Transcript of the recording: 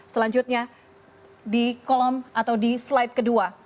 selanjutnya di kolom atau di slide kedua